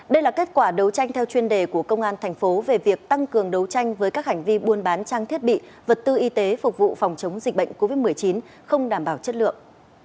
đây là kết quả đấu tranh theo chuyên đề của công an thành phố về việc tăng cường đấu tranh với các hành vi buôn bán trang thiết bị vật tư y tế phục vụ phòng chống dịch bệnh covid một mươi chín không đảm bảo chất lượng